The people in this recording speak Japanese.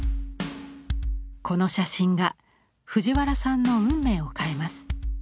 この写真が藤原さんの運命を変えます。